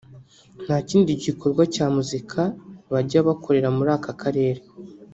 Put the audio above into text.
ntakindi gikorwa cya muzika bajya bakorera muri aka karere